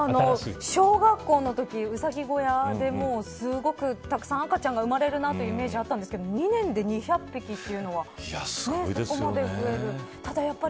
小学校のとき、ウサギ小屋ですごくたくさん赤ちゃんが生まれるなというイメージあったんですけど２年で２００匹というのはここまで増えるって。